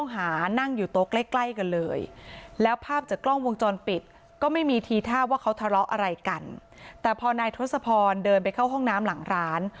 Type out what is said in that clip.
หรือกล้องวงจรปิดก็ไม่มีทีท่าว่าเขาทะเลาะอะไรกันแต่พอนายทศพรเดินไปเข้าห้องน้ำหลังร้าน